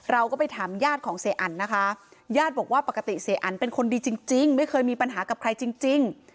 เราก็ไปถามญาติของเสียอันนะคะญาติบอกว่าปกติเสียอันเป็นคนดีจริงไม่เคยมีปัญหากับใครจริง